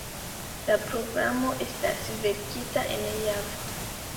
La programo estas verkita en Java.